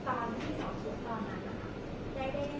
แต่ว่าไม่มีปรากฏว่าถ้าเกิดคนให้ยาที่๓๑